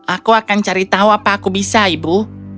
aku akan cari tahu apa aku bisa ibu